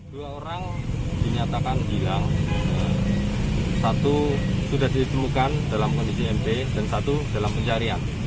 dinyatakan hilang satu sudah ditemukan dalam kondisi mp dan satu dalam pencarian